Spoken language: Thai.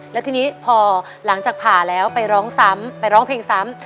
แล้วทีนี้พอหลังจากผ่าแล้วไปร้องเพลงซ้ำ